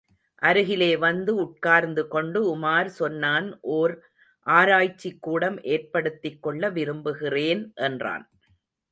அருகிலே வந்து உட்கார்ந்து கொண்டு உமார் சொன்னான் ஓர் ஆராய்ச்சிகூடம் ஏற்படுத்திக் கொள்ள விரும்புகிறேன் என்றான்.